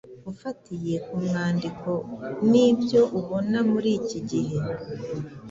Ufatiye ku mwandiko n’ibyo ubona muri iki gihe,